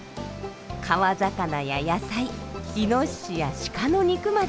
川魚や野菜イノシシやシカの肉まで！